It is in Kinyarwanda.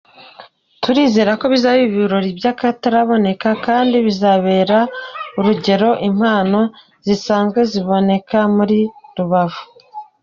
Turizera ko bizaba ibirori by’akataraboneka kandi bizabera urugero impano zisanzwe ziboneka muri Rubavu.